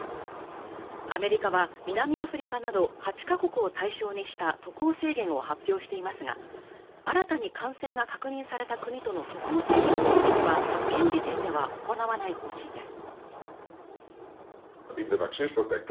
アメリカは南アフリカなど８か国を対象にした渡航制限を発表していますが新たに感染が確認された国との渡航制限については現時点では行わない方針です